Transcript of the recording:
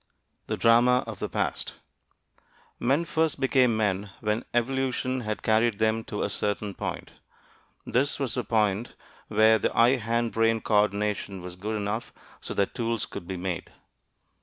THE DRAMA OF THE PAST Men first became men when evolution had carried them to a certain point. This was the point where the eye hand brain co ordination was good enough so that tools could be made.